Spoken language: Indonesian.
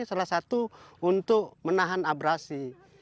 salah satu untuk menahan abrasi